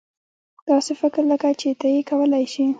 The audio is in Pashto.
داسې فکر لکه چې ته یې کولای شې.